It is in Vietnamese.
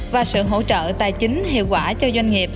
và sự hỗ trợ tài chính hiệu quả cho doanh nghiệp